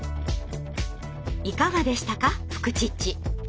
いかがでしたか「フクチッチ」。